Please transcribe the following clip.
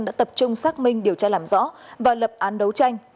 đã tập trung xác minh điều tra làm rõ và lập án đấu tranh